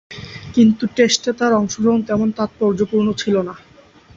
কিন্তু টেস্টে তার অংশগ্রহণ তেমন তাৎপর্যপূর্ণ ছিল না।